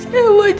saya seperti itu